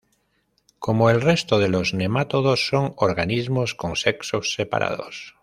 Como el resto de los nematodos son organismos con sexos separados.